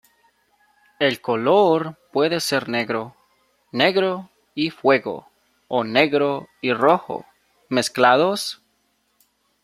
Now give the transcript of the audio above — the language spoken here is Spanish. El color puede ser negro, negro y fuego, o negro y rojo mezclados.